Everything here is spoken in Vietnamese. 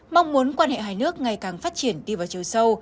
mong muốn quan hệ hai nước ngày càng phát triển đi vào chiều sâu